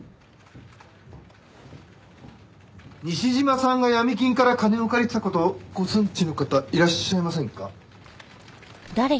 西島さんがヤミ金から金を借りてた事ご存じの方いらっしゃいませんか？